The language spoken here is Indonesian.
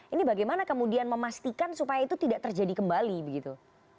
ini bagaimana kemudian memastikan supaya itu tidak terjadi kembali begitu